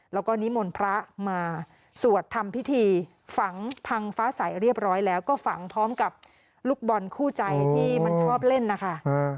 แล้วก็นิมนต์พระมาสวดทำพิธีฝังพังฟ้าใสเรียบร้อยแล้วก็ฝังพร้อมกับลูกบอลคู่ใจที่มันชอบเล่นนะคะ